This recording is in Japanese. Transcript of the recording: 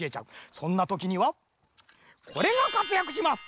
そんなときにはこれがかつやくします。